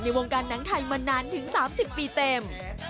วงการหนังไทยมานานถึง๓๐ปีเต็ม